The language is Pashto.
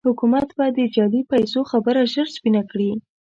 حکومت به د جعلي پيسو خبره ژر سپينه کړي.